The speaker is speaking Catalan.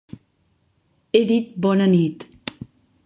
He dit bona nit.